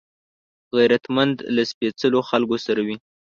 غیرتمند له سپېڅلو خلکو سره وي